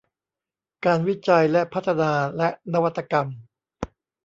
การวิจัยและพัฒนาและนวัตกรรม